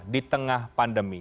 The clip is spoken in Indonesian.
di tengah pandemi